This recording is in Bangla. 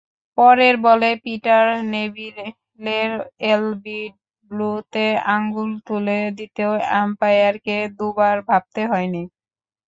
পরের বলে পিটার নেভিলের এলবিডব্লুতে আঙুল তুলে দিতেও আম্পায়ারকে দুবার ভাবতে হয়নি।